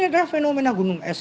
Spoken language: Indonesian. ini adalah fenomena gunung es